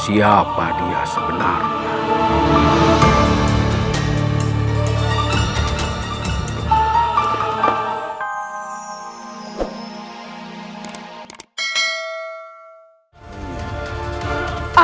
siapa dia sebenarnya